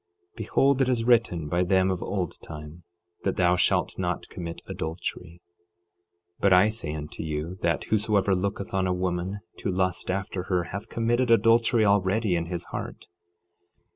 12:27 Behold, it is written by them of old time, that thou shalt not commit adultery; 12:28 But I say unto you, that whosoever looketh on a woman, to lust after her, hath committed adultery already in his heart.